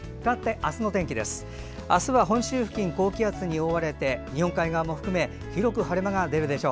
明日は本州付近高気圧に覆われて日本海側も含めて広く晴れ間が出るでしょう。